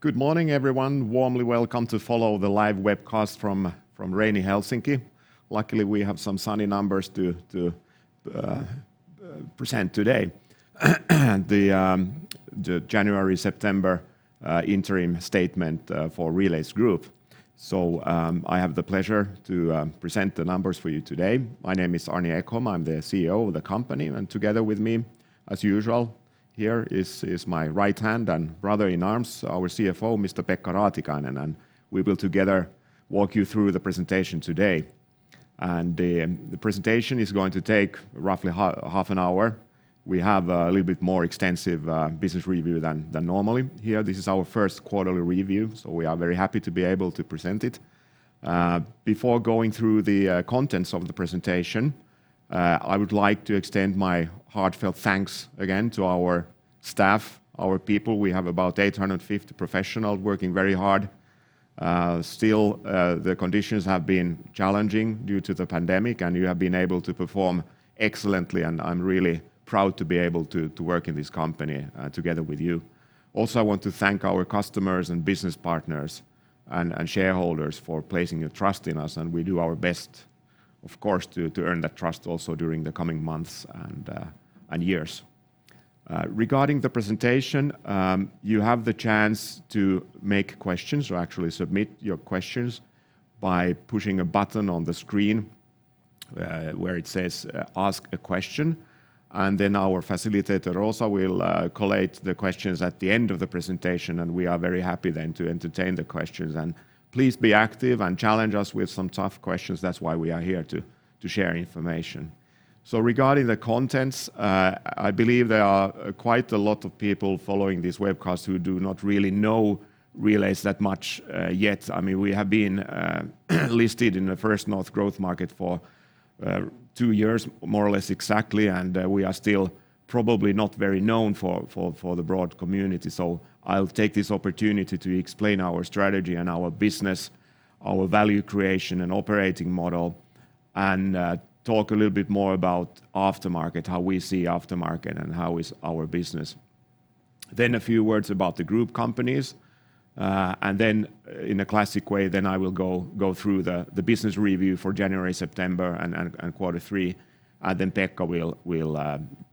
Good morning, everyone. Warmly welcome to follow the live webcast from rainy Helsinki. Luckily, we have some sunny numbers to present today. The January-September interim statement for Relais Group. I have the pleasure to present the numbers for you today. My name is Arni Ekholm. I'm the CEO of the company, and together with me, as usual, here is my right hand and brother-in-arms, our CFO, Mr. Pekka Raatikainen, and we will together walk you through the presentation today. The presentation is going to take roughly half an hour. We have a little bit more extensive business review than normally here. This is our first quarterly review. We are very happy to be able to present it. Before going through the contents of the presentation, I would like to extend my heartfelt thanks again to our staff, our people. We have about 850 professionals working very hard. Still, the conditions have been challenging due to the pandemic, and you have been able to perform excellently, and I'm really proud to be able to work in this company together with you. Also, I want to thank our customers and business partners and shareholders for placing your trust in us, and we do our best, of course, to earn that trust also during the coming months and years. Regarding the presentation, you have the chance to make questions or actually submit your questions by pushing a button on the screen, where it says, "Ask a question." Our facilitator, Rosa, will collate the questions at the end of the presentation, and we are very happy then to entertain the questions. Please be active and challenge us with some tough questions. That's why we are here to share information. Regarding the contents, I believe there are quite a lot of people following this webcast who do not really know Relais that much, yet. I mean, we have been listed in the First North growth market for two years, more or less exactly, and we are still probably not very known for the broad community. I'll take this opportunity to explain our strategy and our business, our value creation and operating model, and talk a little bit more about aftermarket, how we see aftermarket and how is our business. A few words about the group companies, and then in a classic way, I will go through the business review for January, September and quarter three, and then Pekka will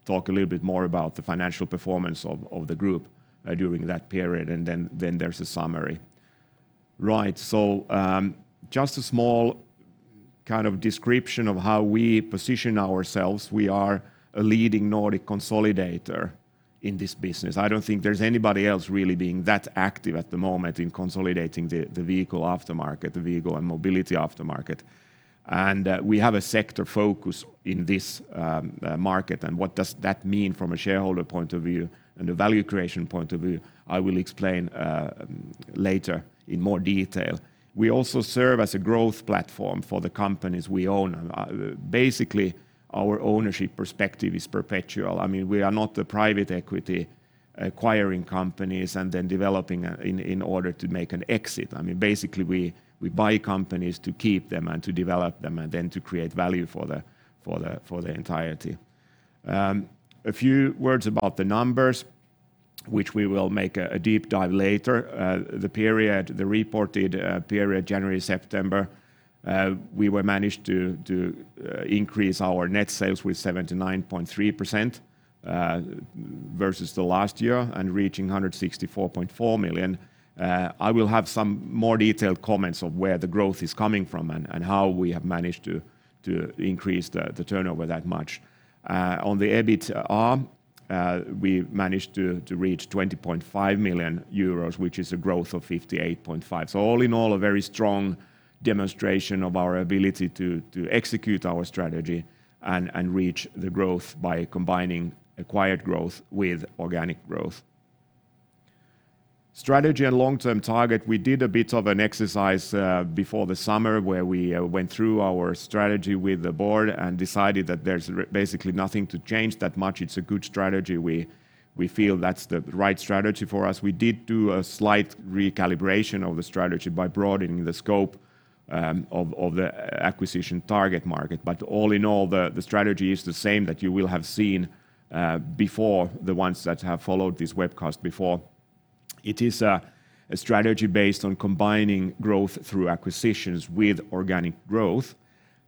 talk a little bit more about the financial performance of the group during that period, and then there's a summary. Right. Just a small kind of description of how we position ourselves. We are a leading Nordic consolidator in this business. I don't think there's anybody else really being that active at the moment in consolidating the vehicle aftermarket, the vehicle and mobility aftermarket. We have a sector focus in this market, and what does that mean from a shareholder point of view and a value creation point of view? I will explain later in more detail. We also serve as a growth platform for the companies we own. Basically, our ownership perspective is perpetual. I mean, we are not the private equity acquiring companies and then developing in order to make an exit. I mean, basically, we buy companies to keep them and to develop them and then to create value for the entirety. A few words about the numbers, which we will make a deep dive later. The reported period, January-September, we managed to increase our net sales by 79.3% versus last year and reaching 164.4 million. I will have some more detailed comments on where the growth is coming from and how we have managed to increase the turnover that much. On the EBIT front, we managed to reach 20.5 million euros, which is a growth of 58.5%. All in all, a very strong demonstration of our ability to execute our strategy and reach the growth by combining acquired growth with organic growth. Strategy and long-term target. We did a bit of an exercise before the summer where we went through our strategy with the board and decided that there's basically nothing to change that much. It's a good strategy. We feel that's the right strategy for us. We did do a slight recalibration of the strategy by broadening the scope of the acquisition target market. All in all, the strategy is the same that you will have seen before, the ones that have followed this webcast before. It is a strategy based on combining growth through acquisitions with organic growth.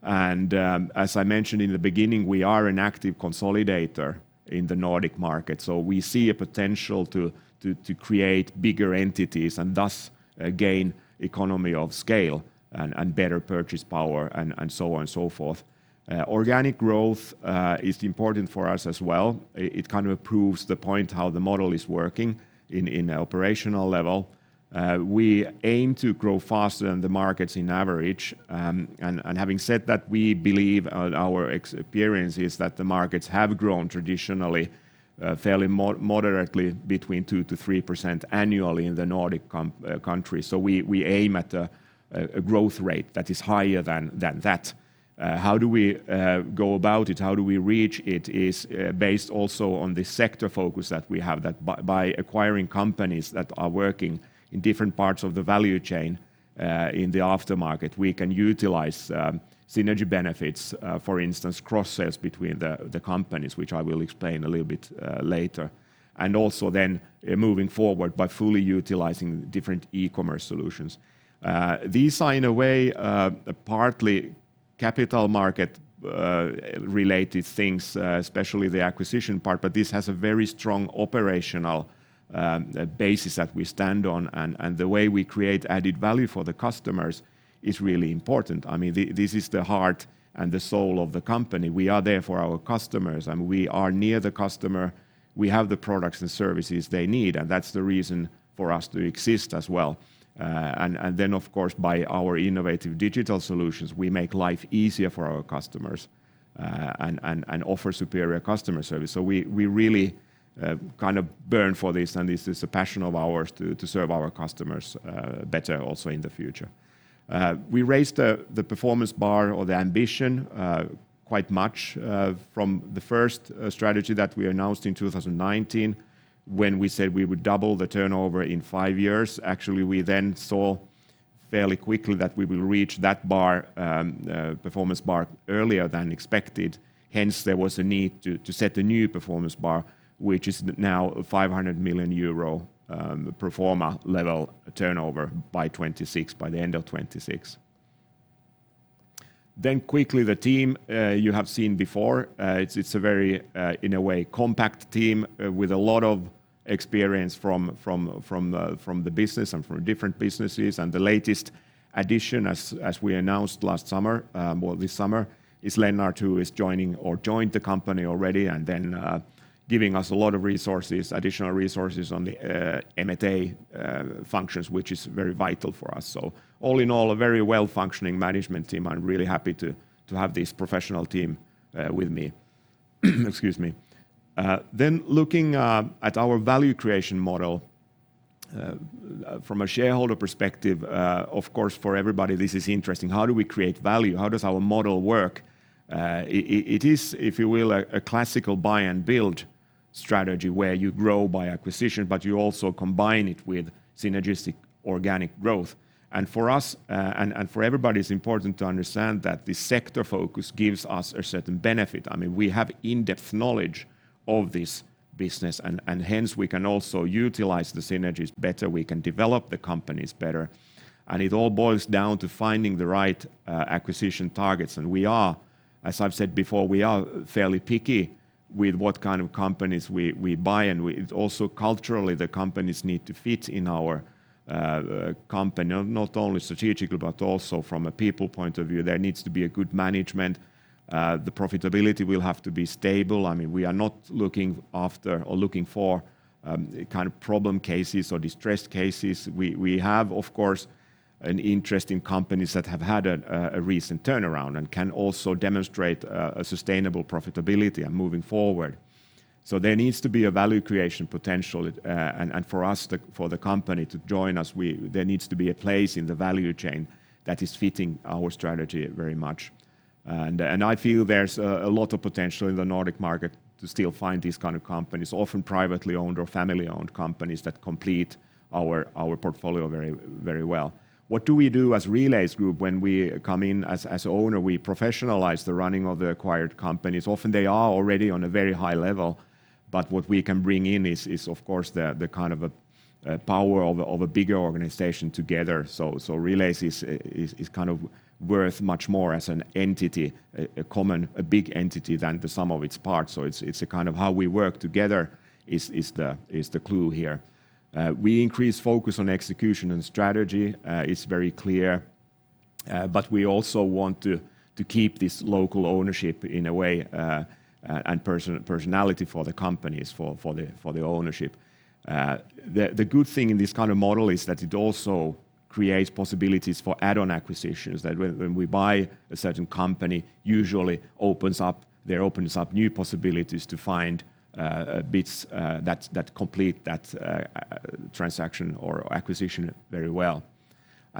As I mentioned in the beginning, we are an active consolidator in the Nordic market. We see a potential to create bigger entities and thus gain economy of scale and better purchasing power and so on and so forth. Organic growth is important for us as well. It kind of proves the point how the model is working in the operational level. We aim to grow faster than the markets on average. Having said that, we believe our experience is that the markets have grown traditionally fairly moderately between 2%-3% annually in the Nordic countries. We aim at a growth rate that is higher than that. How do we go about it? How do we reach it? It is based also on the sector focus that we have, that by acquiring companies that are working in different parts of the value chain in the aftermarket, we can utilize synergy benefits, for instance, cross-sales between the companies, which I will explain a little bit later, and also then moving forward by fully utilizing different e-commerce solutions. These are in a way partly capital market-related things, especially the acquisition part, but this has a very strong operational basis that we stand on, and the way we create added value for the customers is really important. I mean, this is the heart and the soul of the company. We are there for our customers, and we are near the customer. We have the products and services they need, and that's the reason for us to exist as well. Of course by our innovative digital solutions, we make life easier for our customers and offer superior customer service. We really kind of burn for this, and this is a passion of ours to serve our customers better also in the future. We raised the performance bar or the ambition quite much from the first strategy that we announced in 2019 when we said we would double the turnover in five years. Actually, we then saw fairly quickly that we will reach that bar, performance bar earlier than expected. Hence, there was a need to set a new performance bar which is now a 500 million euro pro forma level turnover by 2026, by the end of 2026. Quickly the team you have seen before, it's a very in a way compact team with a lot of experience from the business and from different businesses. The latest addition as we announced last summer, well, this summer, is Lennart who is joining or joined the company already and then giving us a lot of resources, additional resources on the M&A functions which is very vital for us. All in all, a very well-functioning management team. I'm really happy to have this professional team with me. Excuse me. Looking at our value creation model from a shareholder perspective, of course, for everybody this is interesting. How do we create value? How does our model work? It is, if you will, a classical buy and build strategy where you grow by acquisition, but you also combine it with synergistic organic growth. For us and for everybody it's important to understand that the sector focus gives us a certain benefit. I mean, we have in-depth knowledge of this business and hence we can also utilize the synergies better, we can develop the companies better, and it all boils down to finding the right acquisition targets. We are, as I've said before, we are fairly picky with what kind of companies we buy and we. Culturally, the companies need to fit in our company, not only strategically, but also from a people point of view. There needs to be a good management. The profitability will have to be stable. I mean, we are not looking after or looking for kind of problem cases or distressed cases. We have of course an interest in companies that have had a recent turnaround and can also demonstrate a sustainable profitability and moving forward. There needs to be a value creation potential, and for the company to join us, there needs to be a place in the value chain that is fitting our strategy very much. I feel there's a lot of potential in the Nordic market to still find these kind of companies, often privately owned or family-owned companies that complete our portfolio very well. What do we do as Relais Group when we come in as owner? We professionalize the running of the acquired companies. Often, they are already on a very high level, but what we can bring in is of course the kind of power of a bigger organization together. Relais is kind of worth much more as an entity, a common big entity than the sum of its parts. It's kind of how we work together is the clue here. We increase focus on execution and strategy. It's very clear, we also want to keep this local ownership in a way, and personality for the companies for the ownership. The good thing in this kind of model is that it also creates possibilities for add-on acquisitions that when we buy a certain company usually opens up new possibilities to find fits that complete that transaction or acquisition very well.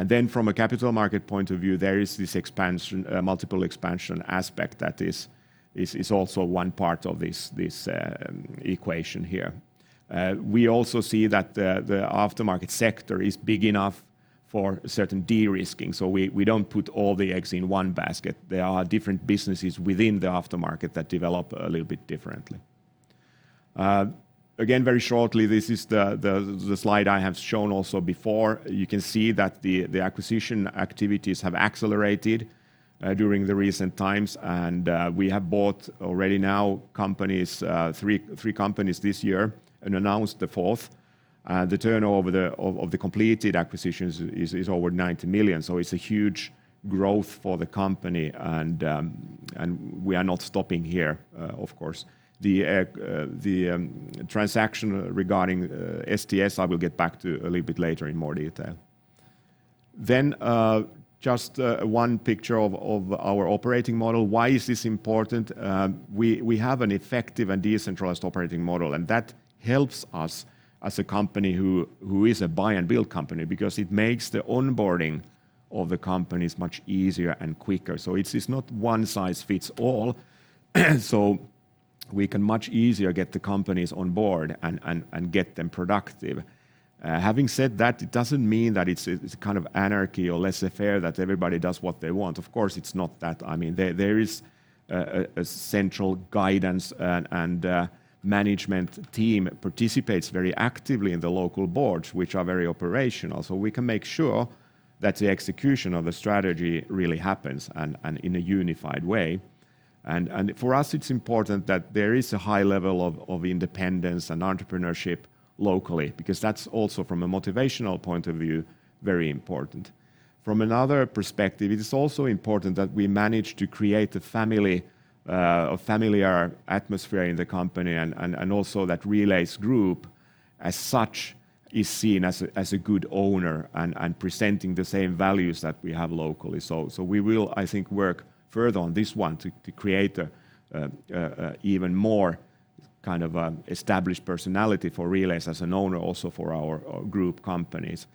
Then from a capital market point of view, there is this expansion, multiple expansion aspect that is also one part of this equation here. We also see that the aftermarket sector is big enough for certain de-risking. We don't put all the eggs in one basket. There are different businesses within the aftermarket that develop a little bit differently. Again, very shortly, this is the slide I have shown also before. You can see that the acquisition activities have accelerated during the recent times, and we have bought already now companies, three companies this year and announced the fourth. The turnover of the completed acquisitions is over 90 million. So it's a huge growth for the company and we are not stopping here, of course. The transaction regarding STS I will get back to a little bit later in more detail. Just one picture of our operating model. Why is this important? We have an effective and decentralized operating model, and that helps us as a company who is a buy and build company because it makes the onboarding of the companies much easier and quicker. It's not one size fits all. We can much easier get the companies on board and get them productive. Having said that, it doesn't mean that it's kind of anarchy or laissez-faire that everybody does what they want. Of course, it's not that. I mean, there is a central guidance and management team participates very actively in the local boards, which are very operational. We can make sure that the execution of the strategy really happens and in a unified way. For us it's important that there is a high level of independence and entrepreneurship locally because that's also from a motivational point of view very important. From another perspective, it is also important that we manage to create a family or familiar atmosphere in the company and also that Relais Group as such is seen as a good owner and presenting the same values that we have locally. We will, I think, work further on this one to create a even more kind of established personality for Relais as an owner also for our group companies.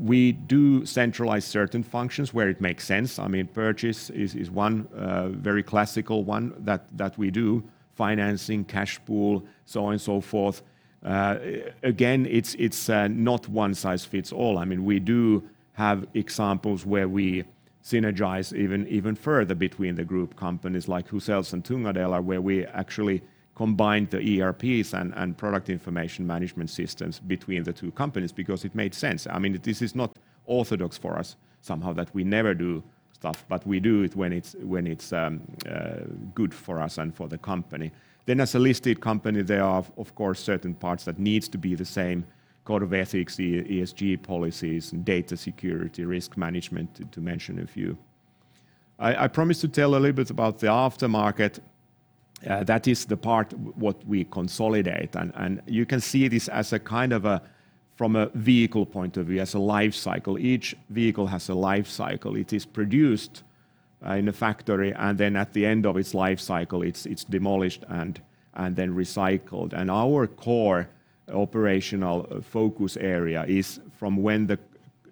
We do centralize certain functions where it makes sense. I mean, purchase is one very classical one that we do. Financing, cash pool, so on and so forth. Again, it's not one-size-fits-all. I mean, we do have examples where we synergize even further between the group companies like Huzells and Tunga Delar where we actually combine the ERPs and product information management systems between the two companies because it made sense. I mean, this is not orthodox for us somehow that we never do stuff, but we do it when it's good for us and for the company. As a listed company, there are of course certain parts that needs to be the same code of ethics, the ESG policies, data security, risk management to mention a few. I promised to tell a little bit about the aftermarket. That is the part that we consolidate and you can see this as a kind of from a vehicle point of view, as a life cycle. Each vehicle has a life cycle. It is produced in a factory and then at the end of its life cycle, it's demolished and then recycled. Our core operational focus area is from when the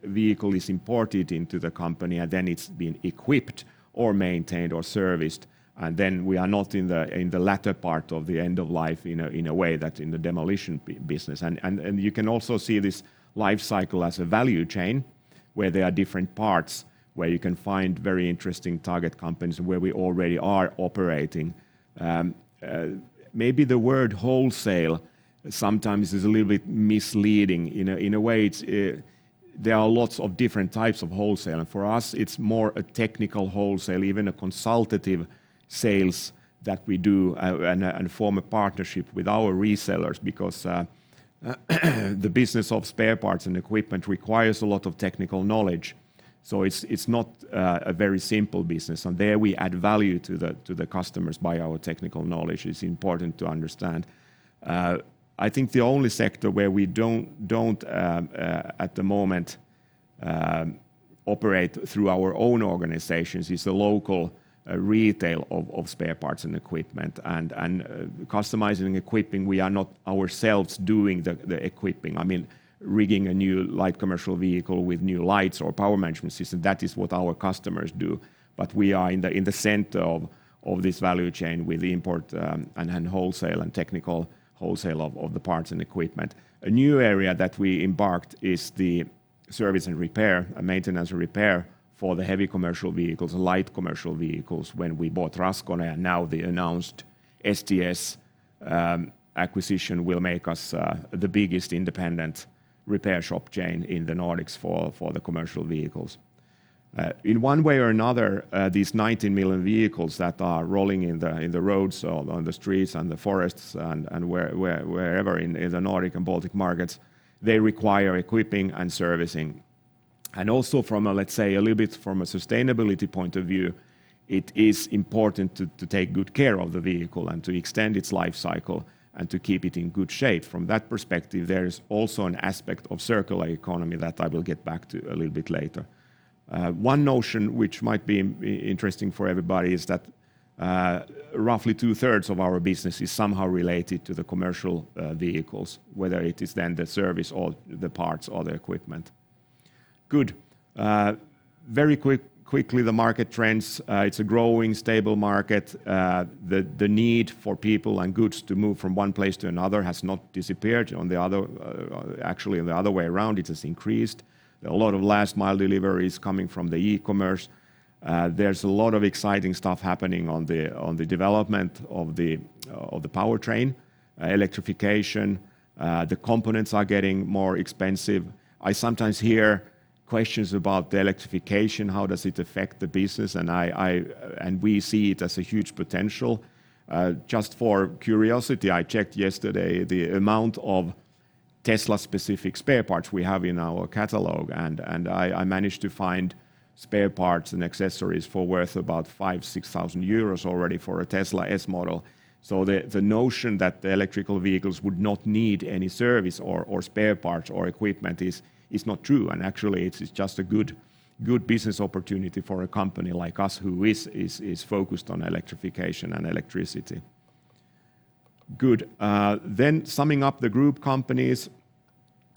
vehicle is imported into the company and then it's been equipped or maintained or serviced, and then we are not in the latter part of the end of life in a way that in the demolition business. You can also see this life cycle as a value chain where there are different parts where you can find very interesting target companies where we already are operating. Maybe the word wholesale sometimes is a little bit misleading. In a way, it's there are lots of different types of wholesale, and for us it's more a technical wholesale, even a consultative sales that we do and form a partnership with our resellers because the business of spare parts and equipment requires a lot of technical knowledge. It's not a very simple business. There we add value to the customers by our technical knowledge. It's important to understand. I think the only sector where we don't at the moment operate through our own organizations is the local retail of spare parts and equipment and customizing equipping. We are not ourselves doing the equipping. I mean, rigging a new light commercial vehicle with new lights or power management system, that is what our customers do. We are in the center of this value chain with the import and wholesale and technical wholesale of the parts and equipment. A new area that we embarked is the service and repair, maintenance and repair for the heavy commercial vehicles, light commercial vehicles when we bought Raskone and now the announced STS acquisition will make us the biggest independent repair shop chain in the Nordics for the commercial vehicles. In one way or another, these 90 million vehicles that are rolling in the roads or on the streets and the forests and wherever in the Nordic and Baltic markets, they require equipping and servicing. Also from a, let's say, a little bit from a sustainability point of view, it is important to take good care of the vehicle and to extend its life cycle and to keep it in good shape. From that perspective, there is also an aspect of circular economy that I will get back to a little bit later. One notion which might be interesting for everybody is that, roughly two-thirds of our business is somehow related to the commercial vehicles, whether it is then the service or the parts or the equipment. Good. Very quickly the market trends. It's a growing stable market. The need for people and goods to move from one place to another has not disappeared. Actually, the other way around, it has increased. A lot of last mile deliveries coming from the e-commerce. There's a lot of exciting stuff happening on the development of the powertrain, electrification. The components are getting more expensive. I sometimes hear questions about the electrification, how does it affect the business? We see it as a huge potential. Just for curiosity, I checked yesterday the amount of Tesla specific spare parts we have in our catalog, and I managed to find spare parts and accessories worth about 5,000-6,000 euros already for a Tesla S model. The notion that the electric vehicles would not need any service or spare parts or equipment is not true, and actually it's just a good business opportunity for a company like us who is focused on electrification and electricity. Good. Summing up the group companies.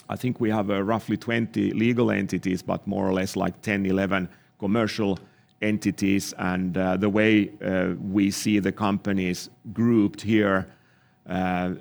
I think we have roughly 20 legal entities, but more or less like 10, 11 commercial entities. The way we see the companies grouped here,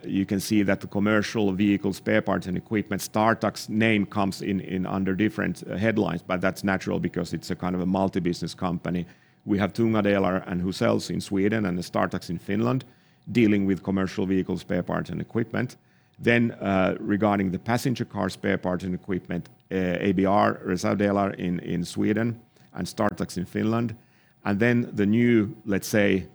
you can see that the commercial vehicles, spare parts and equipment, Startax name comes in under different headlines, but that's natural because it's a kind of a multi-business company. We have Tunga Delar and Huzells in Sweden and Startax in Finland dealing with commercial vehicles, spare parts and equipment. Regarding the passenger car spare parts and equipment, ABR, Reservdelar in Sweden and Startax in Finland. The new, let's say,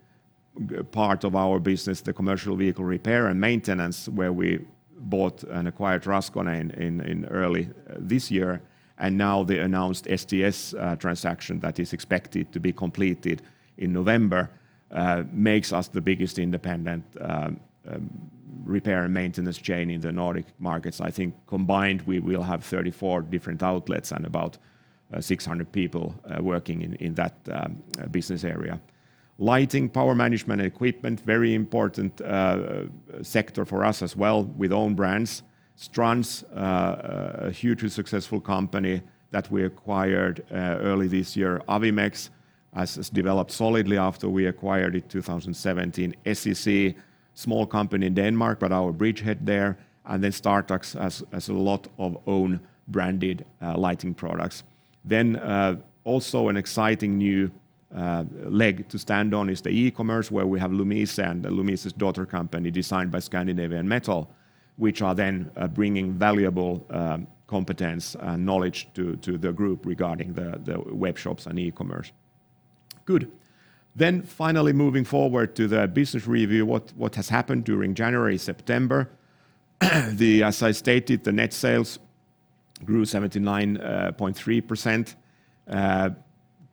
part of our business, the commercial vehicle repair and maintenance where we bought and acquired Raskone in early this year and now the announced STS transaction that is expected to be completed in November makes us the biggest independent repair and maintenance chain in the Nordic markets. I think combined we will have 34 different outlets and about 600 people working in that business area. Lighting, power management and equipment, very important sector for us as well with own brands. Strands hugely successful company that we acquired early this year. Awimex has developed solidly after we acquired it 2017. SEC, small company in Denmark, but our bridgehead there. Startax has a lot of own branded lighting products. Also an exciting new leg to stand on is the e-commerce where we have Lumise and Lumise's daughter company Design by Scandinavian Metal which are then bringing valuable competence and knowledge to the group regarding the web shops and e-commerce. Good. Finally moving forward to the business review, what has happened during January-September. As I stated, the net sales grew 79.3%,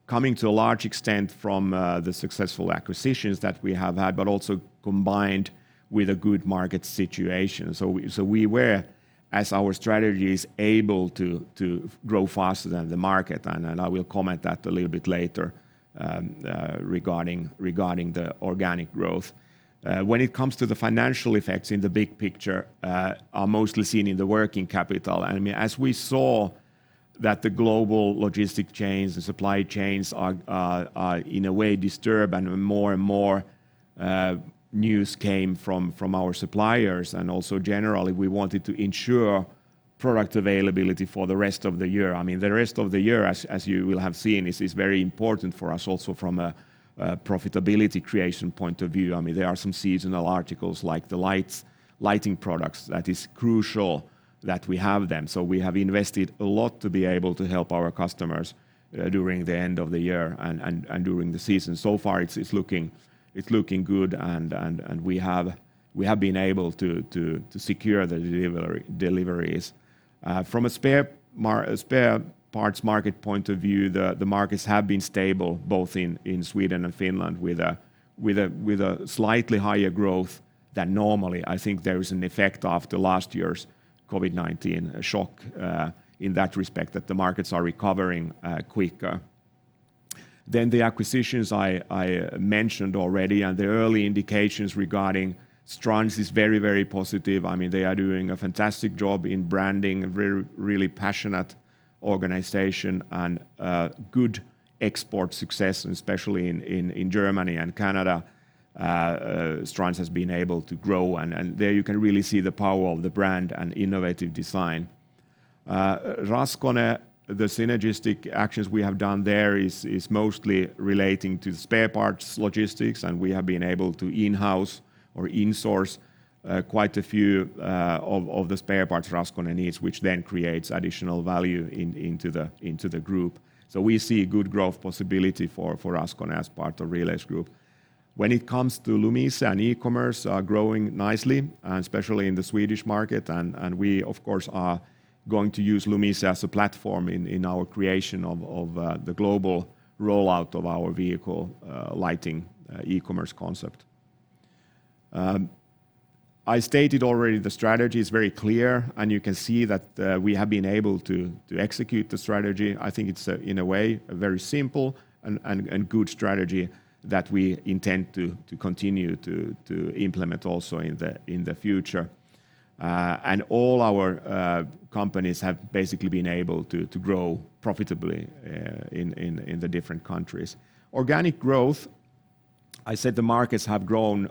coming to a large extent from the successful acquisitions that we have had but also combined with a good market situation. We were, as our strategy is able to grow faster than the market, and I will comment that a little bit later regarding the organic growth. When it comes to the financial effects in the big picture, they are mostly seen in the working capital. I mean, as we saw that the global logistics chains, the supply chains are in a way disturbed and more and more news came from our suppliers and also generally we wanted to ensure product availability for the rest of the year. I mean, the rest of the year as you will have seen is very important for us also from a profitability creation point of view. I mean, there are some seasonal articles like the lighting products that is crucial that we have them. We have invested a lot to be able to help our customers during the end of the year and during the season. So far it's looking good and we have been able to secure the deliveries. From a spare parts market point of view, the markets have been stable both in Sweden and Finland with a slightly higher growth than normally. I think there is an effect of the last year's COVID-19 shock in that respect that the markets are recovering quicker. The acquisitions I mentioned already and the early indications regarding Strands is very positive. I mean, they are doing a fantastic job in branding, a very really passionate organization and good export success especially in Germany and Canada. Strands has been able to grow and there you can really see the power of the brand and innovative design. Raskone, the synergistic actions we have done there is mostly relating to spare parts logistics, and we have been able to in-house or insource quite a few of the spare parts Raskone needs which then creates additional value into the group. We see good growth possibility for Raskone as part of Relais Group. When it comes to Lumise and e-commerce are growing nicely, and especially in the Swedish market and we of course are going to use Lumise as a platform in our creation of the global rollout of our vehicle lighting e-commerce concept. I stated already the strategy is very clear and you can see that we have been able to execute the strategy. I think it's in a way a very simple and good strategy that we intend to continue to implement also in the future. All our companies have basically been able to grow profitably in the different countries. Organic growth, I said the markets have grown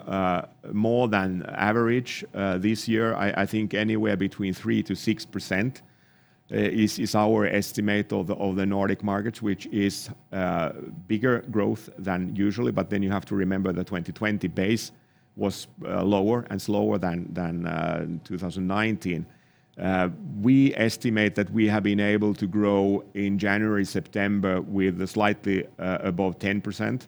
more than average this year. I think anywhere between 3%-6% is our estimate of the Nordic markets which is bigger growth than usual, but then you have to remember the 2020 base was lower and slower than 2019. We estimate that we have been able to grow in January-September with slightly above 10%,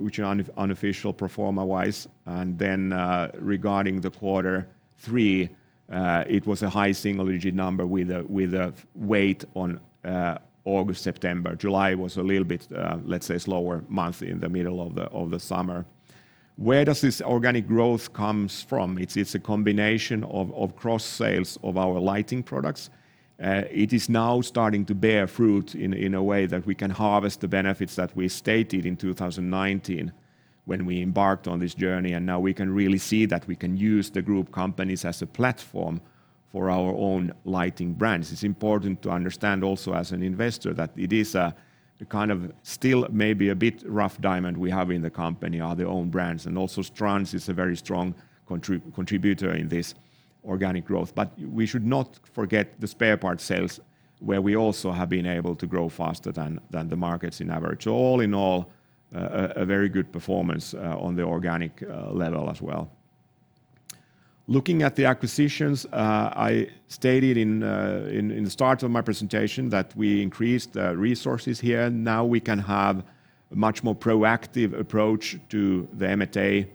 which are unofficial pro forma wise. Then, regarding quarter three, it was a high single-digit number with a weight on August, September. July was a little bit, let's say, slower month in the middle of the summer. Where does this organic growth comes from? It's a combination of cross sales of our lighting products. It is now starting to bear fruit in a way that we can harvest the benefits that we stated in 2019. When we embarked on this journey, and now we can really see that we can use the group companies as a platform for our own lighting brands. It's important to understand also as an investor that it is a kind of still maybe a bit rough diamond we have in the company, are the own brands. Also Strands is a very strong contributor in this organic growth. We should not forget the spare parts sales, where we also have been able to grow faster than the markets on average. All in all, a very good performance on the organic level as well. Looking at the acquisitions, I stated at the start of my presentation that we increased the resources here. Now we can have a much more proactive approach to the M&A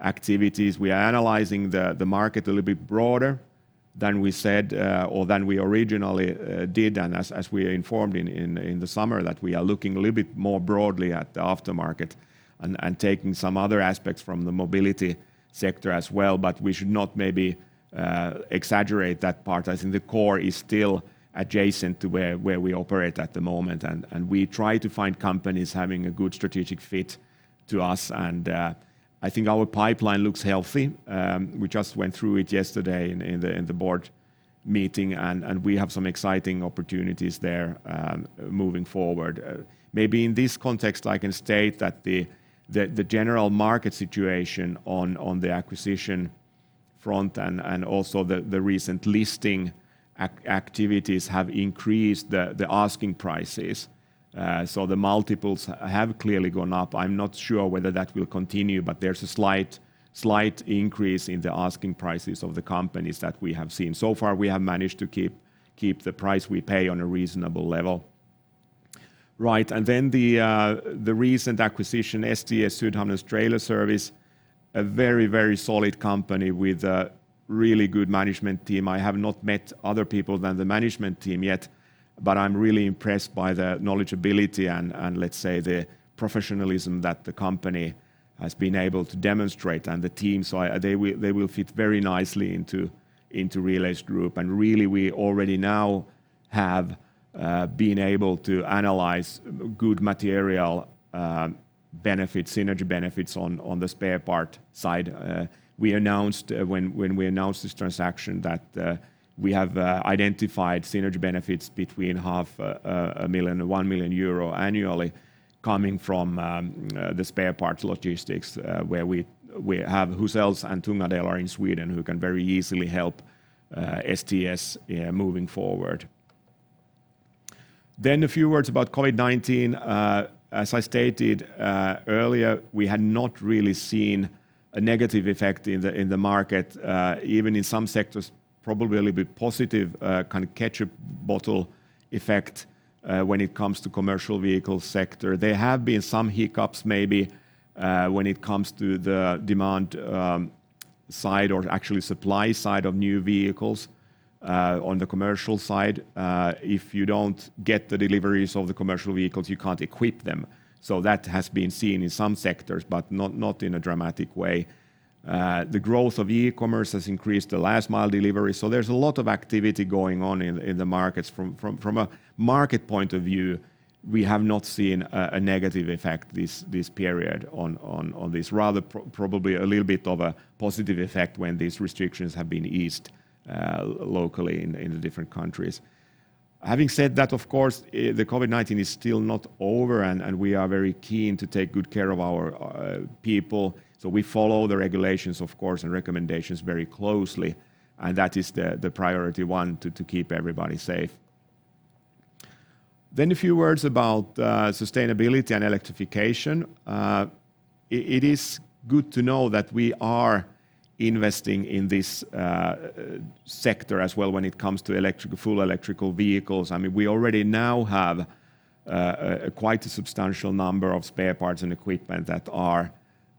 activities. We are analyzing the market a little bit broader than we said or than we originally did and as we informed in the summer that we are looking a little bit more broadly at the aftermarket and taking some other aspects from the mobility sector as well. We should not maybe exaggerate that part, as in the core is still adjacent to where we operate at the moment. We try to find companies having a good strategic fit to us and I think our pipeline looks healthy. We just went through it yesterday in the board meeting and we have some exciting opportunities there moving forward. Maybe in this context I can state that the general market situation on the acquisition front and also the recent listing activities have increased the asking prices. The multiples have clearly gone up. I'm not sure whether that will continue, but there's a slight increase in the asking prices of the companies that we have seen. So far we have managed to keep the price we pay on a reasonable level. Right, and then the recent acquisition, STS, Sydhamnens Trailer Service, a very solid company with a really good management team. I have not met other people than the management team yet, but I am really impressed by the knowledgeability and let's say the professionalism that the company has been able to demonstrate and the team. They will fit very nicely into Relais Group. Really we already now have been able to analyze good material benefits, synergy benefits on the spare part side. We announced, when we announced this transaction, that we have identified synergy benefits between half a million and 1 million euro annually coming from the spare parts logistics, where we have Huzells and Tunga Delar in Sweden who can very easily help STS, yeah, moving forward. A few words about COVID-19. As I stated earlier, we had not really seen a negative effect in the market, even in some sectors probably a little bit positive, kind of ketchup bottle effect, when it comes to commercial vehicle sector. There have been some hiccups maybe when it comes to the demand side or actually supply side of new vehicles on the commercial side. If you don't get the deliveries of the commercial vehicles, you can't equip them. That has been seen in some sectors, but not in a dramatic way. The growth of e-commerce has increased the last mile delivery, so there's a lot of activity going on in the markets. From a market point of view, we have not seen a negative effect this period on this. Rather probably a little bit of a positive effect when these restrictions have been eased locally in the different countries. Having said that, of course, the COVID-19 is still not over and we are very keen to take good care of our people, so we follow the regulations of course and recommendations very closely, and that is the priority one to keep everybody safe. A few words about sustainability and electrification. It is good to know that we are investing in this sector as well when it comes to electric, full electrical vehicles. I mean, we already now have quite a substantial number of spare parts and equipment that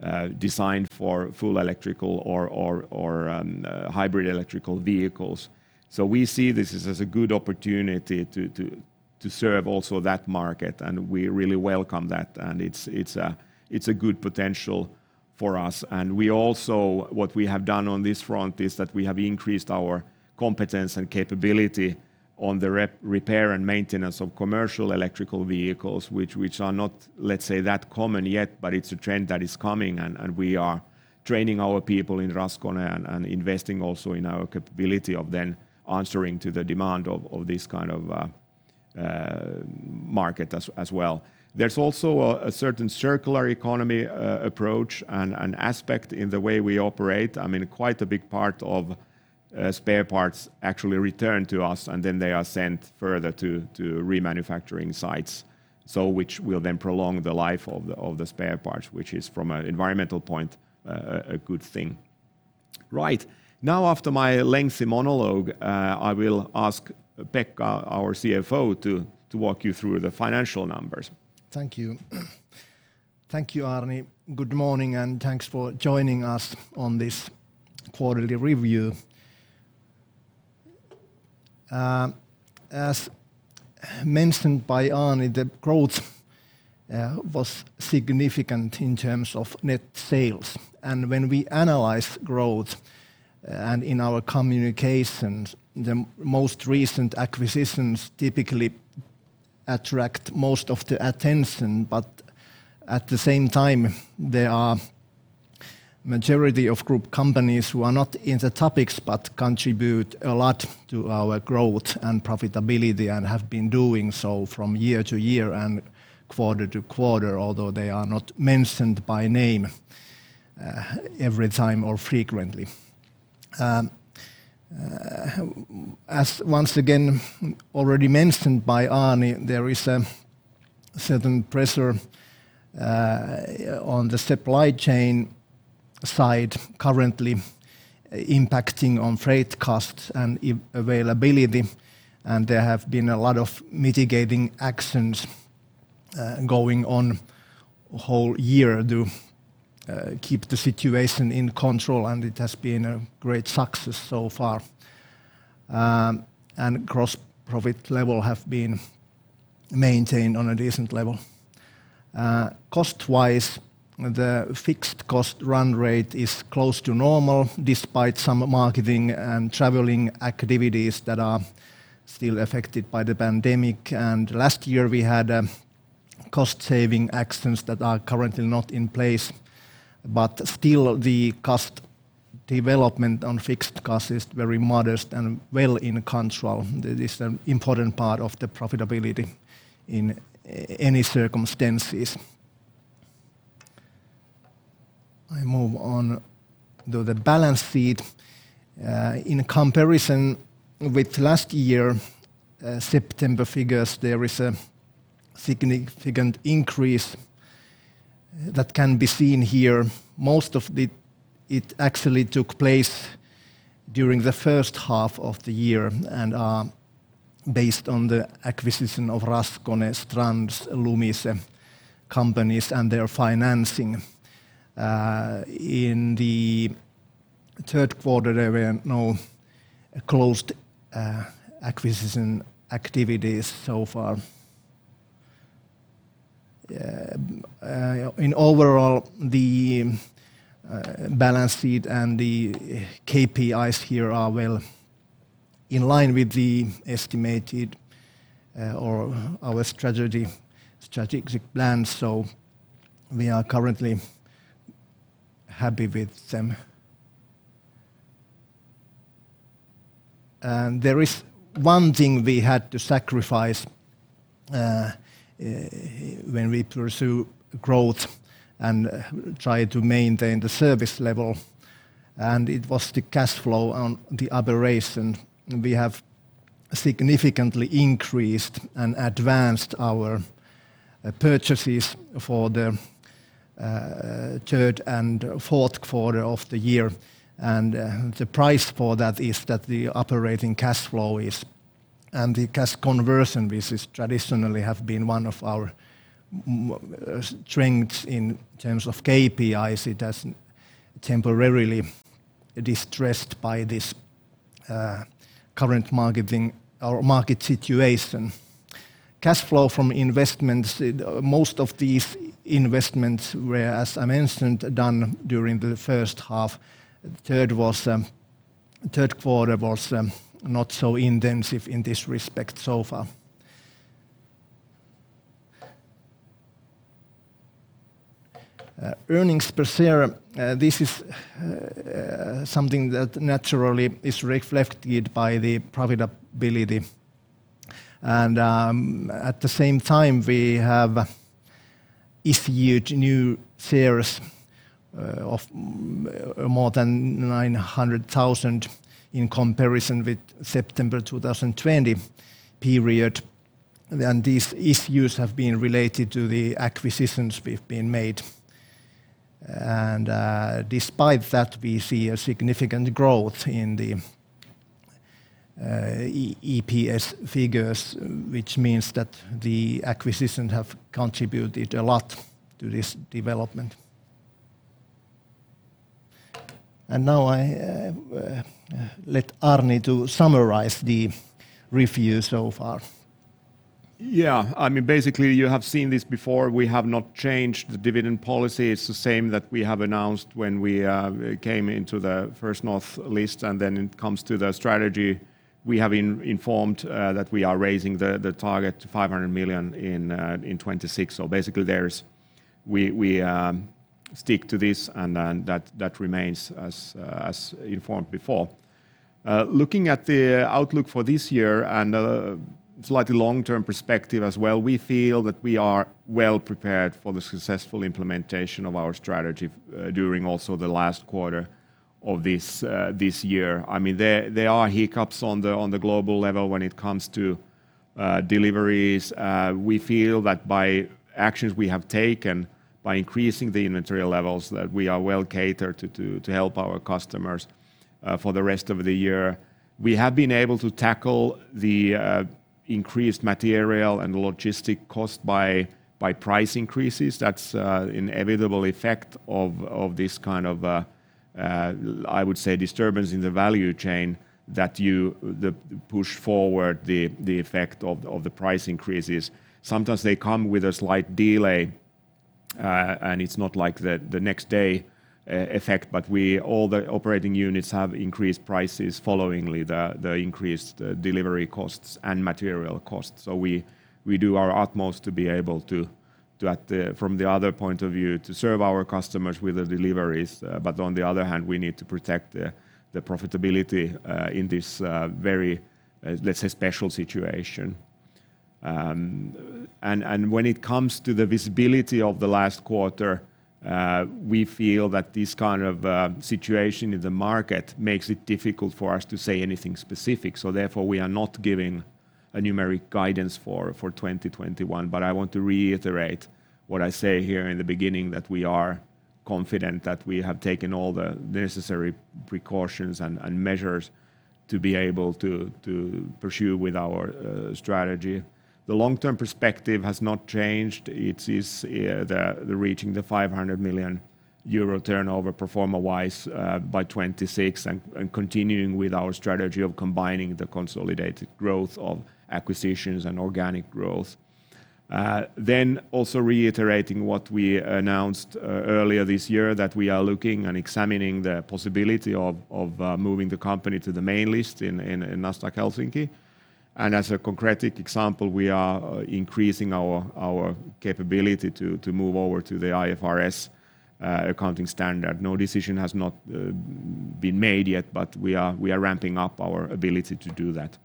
are designed for full electrical or hybrid electrical vehicles. We see this as a good opportunity to serve also that market and we really welcome that and it's a good potential for us. We also, what we have done on this front is that we have increased our competence and capability on the repair and maintenance of commercial electric vehicles which are not, let's say, that common yet, but it's a trend that is coming and we are training our people in Raskone and investing also in our capability of then answering to the demand of this kind of market as well. There's also a certain circular economy approach and aspect in the way we operate. I mean, quite a big part of spare parts actually return to us and then they are sent further to remanufacturing sites, so which will then prolong the life of the spare parts which is from an environmental point a good thing. Right. Now after my lengthy monologue, I will ask Pekka, our CFO, to walk you through the financial numbers. Thank you. Thank you, Arni. Good morning and thanks for joining us on this quarterly review. As mentioned by Arni, the growth was significant in terms of net sales. When we analyze growth in our communications, the most recent acquisitions typically attract most of the attention, but at the same time, there are majority of group companies who are not in the topics but contribute a lot to our growth and profitability and have been doing so from year to year and quarter to quarter, although they are not mentioned by name every time or frequently. As once again already mentioned by Arni, there is a certain pressure on the supply chain side currently impacting on freight costs and availability, and there have been a lot of mitigating actions going on whole year to keep the situation in control, and it has been a great success so far. Gross profit level have been maintained on a decent level. Cost-wise, the fixed cost run rate is close to normal despite some marketing and traveling activities that are still affected by the pandemic. Last year we had cost saving actions that are currently not in place, but still the cost development on fixed cost is very modest and well in control. That is an important part of the profitability in any circumstances. I move on to the balance sheet. In comparison with last year, September figures, there is a significant increase that can be seen here. Most of it actually took place during the first half of the year and, based on the acquisition of Raskone, Strands, Lumise companies and their financing. In the third quarter, there were no closed acquisition activities so far. Overall, the balance sheet and the KPIs here are well in line with the estimated or our strategy, strategic plan, so we are currently happy with them. There is one thing we had to sacrifice, when we pursue growth and try to maintain the service level, and it was the cash flow on the operation. We have significantly increased and advanced our purchases for the third and fourth quarter of the year, and the price for that is that the operating cash flow is. The cash conversion, which is traditionally have been one of our strengths in terms of KPIs, it has temporarily distressed by this current marketing or market situation. Cash flow from investments, most of these investments were, as I mentioned, done during the first half. Third quarter was not so intensive in this respect so far. Earnings per share, this is something that naturally is reflected by the profitability. At the same time, we have issued new shares of more than 900,000 in comparison with September 2020 period, and these issues have been related to the acquisitions we've made. Despite that, we see a significant growth in the EPS figures, which means that the acquisition have contributed a lot to this development. Now I let Arni to summarize the review so far. Yeah. I mean, basically you have seen this before. We have not changed the dividend policy. It's the same that we have announced when we came into the First North list, and then it comes to the strategy we have informed that we are raising the target to 500 million in 2026. Basically, we stick to this and then that remains as informed before. Looking at the outlook for this year and slightly long-term perspective as well, we feel that we are well prepared for the successful implementation of our strategy during also the last quarter of this year. I mean, there are hiccups on the global level when it comes to deliveries. We feel that by actions we have taken, by increasing the inventory levels, that we are well catered to help our customers for the rest of the year. We have been able to tackle the increased material and logistic cost by price increases. That's an inevitable effect of this kind of I would say disturbance in the value chain that you push forward the effect of the price increases. Sometimes they come with a slight delay, and it's not like the next day effect, but all the operating units have increased prices following the increased delivery costs and material costs. We do our utmost to be able to from the other point of view serve our customers with the deliveries, but on the other hand, we need to protect the profitability in this very let's say special situation. When it comes to the visibility of the last quarter, we feel that this kind of situation in the market makes it difficult for us to say anything specific, so therefore we are not giving a numeric guidance for 2021. I want to reiterate what I say here in the beginning that we are confident that we have taken all the necessary precautions and measures to be able to pursue with our strategy. The long-term perspective has not changed. It is reaching the 500 million euro turnover pro forma-wise by 2026 and continuing with our strategy of combining the consolidated growth of acquisitions and organic growth. Also reiterating what we announced earlier this year that we are looking and examining the possibility of moving the company to the main list in Nasdaq Helsinki. As a concrete example, we are increasing our capability to move over to the IFRS accounting standard. No decision has not been made yet, but we are ramping up our ability to do that.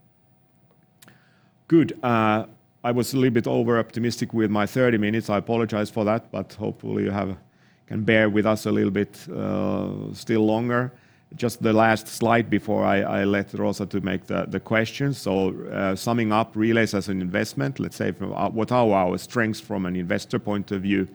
Good. I was a little bit over-optimistic with my 30 minutes. I apologize for that, but hopefully you can bear with us a little bit still longer. Just the last slide before I let Rosa make the questions. Summing up, Relais as an investment, let's say from our what are our strengths from an investor point of view.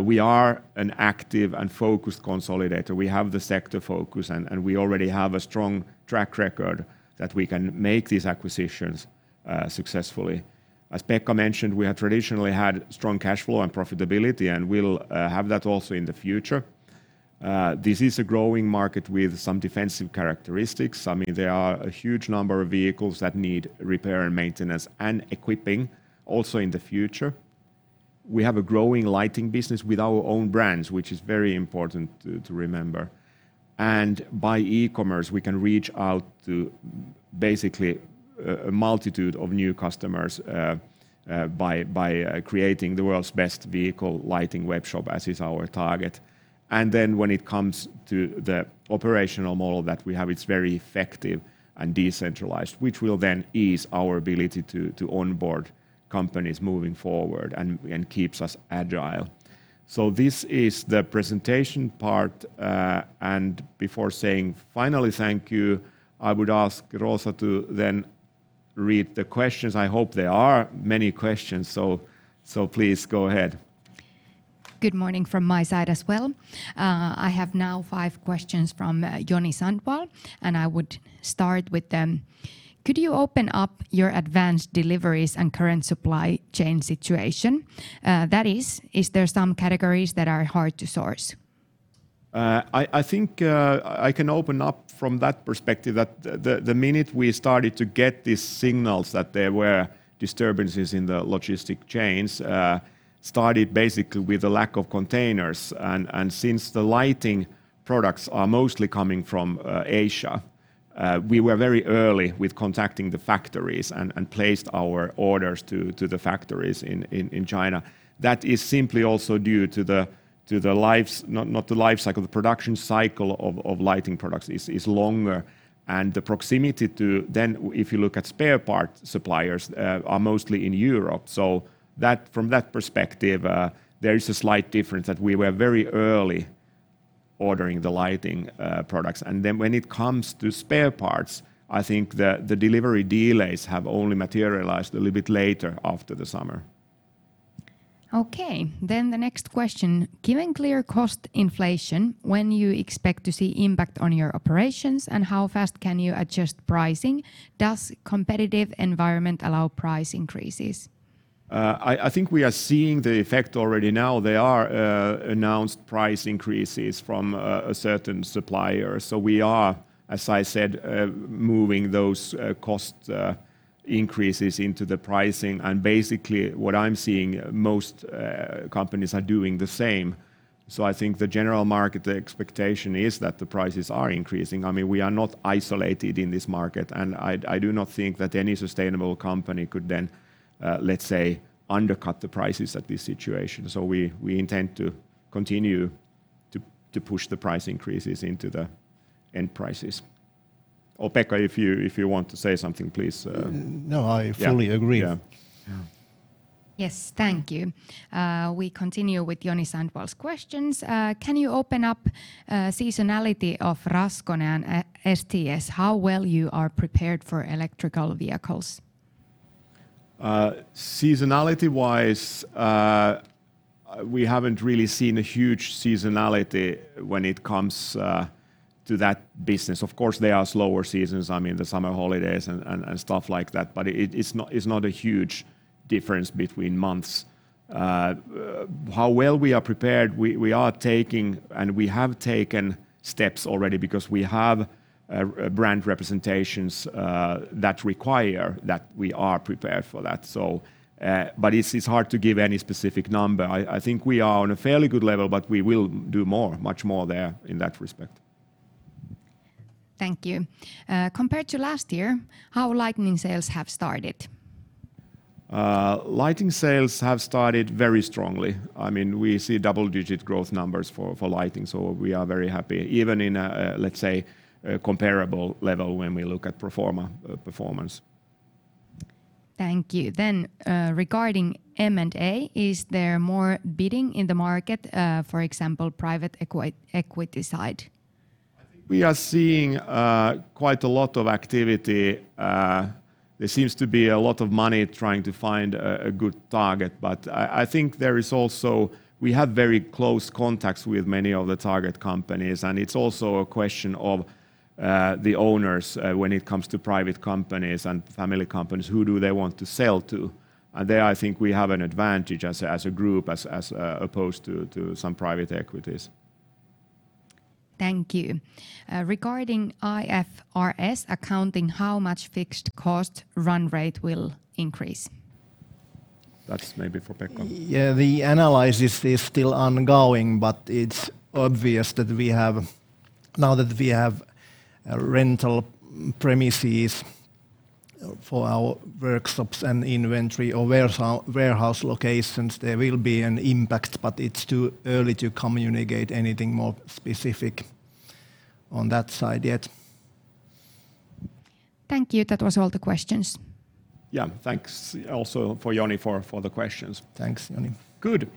We are an active and focused consolidator. We have the sector focus and we already have a strong track record that we can make these acquisitions successfully. As Pekka mentioned, we have traditionally had strong cash flow and profitability, and we'll have that also in the future. This is a growing market with some defensive characteristics. I mean, there are a huge number of vehicles that need repair and maintenance and equipping also in the future. We have a growing lighting business with our own brands, which is very important to remember. By e-commerce, we can reach out to basically a multitude of new customers by creating the world's best vehicle lighting webshop, as is our target. When it comes to the operational model that we have, it's very effective and decentralized, which will then ease our ability to onboard companies moving forward and keeps us agile. This is the presentation part. Before saying finally thank you, I would ask Rosa to then read the questions. I hope there are many questions, so please go ahead. Good morning from my side as well. I have now five questions from Joni Sandvall, and I would start with them. Could you open up your advanced deliveries and current supply chain situation? That is there some categories that are hard to source? I think I can open up from that perspective that the minute we started to get these signals that there were disturbances in the logistics chains started basically with a lack of containers. Since the lighting products are mostly coming from Asia, we were very early with contacting the factories and placed our orders to the factories in China. That is simply also due to the production cycle of lighting products, which is longer. If you look at spare parts suppliers, which are mostly in Europe. From that perspective, there is a slight difference that we were very early ordering the lighting products. When it comes to spare parts, I think the delivery delays have only materialized a little bit later after the summer. Okay. The next question: Given clear cost inflation, when do you expect to see impact on your operations, and how fast can you adjust pricing? Does the competitive environment allow price increases? I think we are seeing the effect already now. There are announced price increases from a certain supplier. We are, as I said, moving those cost increases into the pricing, and basically what I'm seeing, most companies are doing the same. I think the general market expectation is that the prices are increasing. I mean, we are not isolated in this market, and I do not think that any sustainable company could then, let's say, undercut the prices at this situation. We intend to continue to push the price increases into the end prices. Or Pekka, if you want to say something, please. No, I fully agree. Yeah. Yeah. Yeah. Yes. Thank you. We continue with Joni Sandvall's questions. Can you open up seasonality of Raskone and STS, how well you are prepared for electric vehicles? Seasonality-wise, we haven't really seen a huge seasonality when it comes to that business. Of course, there are slower seasons, I mean, the summer holidays and stuff like that, but it's not a huge difference between months. How well we are prepared, we are taking, and we have taken steps already because we have brand representations that require that we are prepared for that, so, but it's hard to give any specific number. I think we are on a fairly good level, but we will do more, much more there in that respect. Thank you. Compared to last year, how lighting sales have started? Lighting sales have started very strongly. I mean, we see double-digit growth numbers for lighting, so we are very happy. Even in, let's say, a comparable level when we look at pro forma performance. Thank you. Regarding M&A, is there more bidding in the market, for example, private equity side? I think we are seeing quite a lot of activity. There seems to be a lot of money trying to find a good target. I think there is also. We have very close contacts with many of the target companies, and it's also a question of the owners, when it comes to private companies and family companies, who do they want to sell to? There, I think we have an advantage as a group, as opposed to some private equities. Thank you. Regarding IFRS accounting, how much fixed cost run rate will increase? That's maybe for Pekka. Yeah. The analysis is still ongoing, but it's obvious that we have now that we have rental premises for our workshops and inventory or warehouse locations, there will be an impact, but it's too early to communicate anything more specific on that side yet. Thank you. That was all the questions. Yeah. Thanks also to Joni for the questions. Thanks, Joni. Good.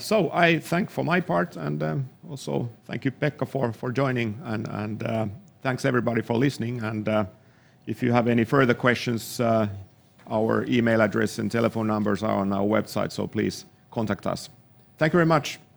So I thank you for my part, and also thank you Pekka for joining, and thanks everybody for listening. If you have any further questions, our email address and telephone numbers are on our website, so please contact us. Thank you very much. Thank you.